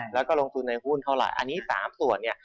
แล้วก็ลงทุนในหุ้นเท่าไหร่อันนี้๓ส่วนเนี่ย